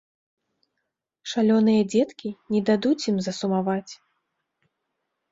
Шалёныя дзеткі не дадуць ім засумаваць.